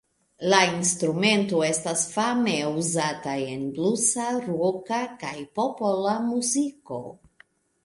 La instrumento estas fame uzata en blusa, roka, kaj popola muziko.